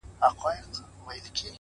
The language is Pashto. د لوط د قوم د سچيدو به درته څه ووايم _